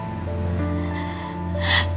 bisa mencintai radit